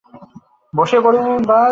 বসে পড়ুন, বাজ।